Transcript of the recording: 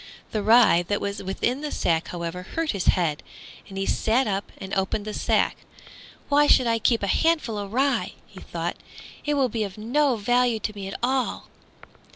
The rye that was within the sack, however, hurt his head, and he sat up and opened the sack. "Why should I keep a handful of rye?" he thought, "It will be of no value to me at all."